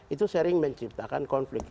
itu sering menciptakan konflik